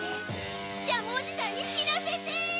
ジャムおじさんにしらせて！